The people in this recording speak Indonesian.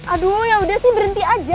aduh yaudah sih berhenti aja